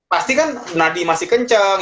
pasti kan nadi masih kencang